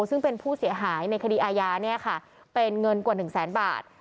ซึ่งเป็นผู้เสียหายในคดีอาญาเป็นเงินกว่า๑แสนบาท